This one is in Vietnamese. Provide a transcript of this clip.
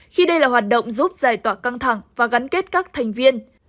khi đây là hoạt động giúp giải tỏa căng thẳng và gắn kết các thành viên